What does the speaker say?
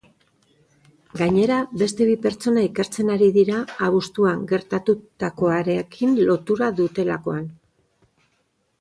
Gainera, beste bi pertsona ikertzen ari dira abuztuan gertatutakoarekin lotura dutelakoan.